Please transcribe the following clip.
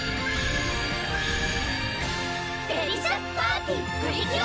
デリシャスパーティプリキュア！